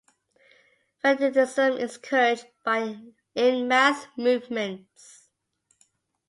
Fanaticism is encouraged in mass movements.